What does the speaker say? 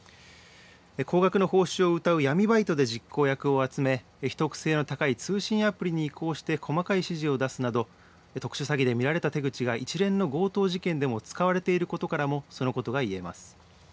高額の報酬をうたう闇バイトで実行役を集め、秘匿性の高い通信アプリに移行して細かい指示を出すなど特殊詐欺で見られた手口が一連の強盗事件でも使われていることからもそのことが言えます。